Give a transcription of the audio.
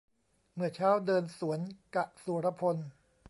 เมื่อเช้าเดินสวนกะ สุรพล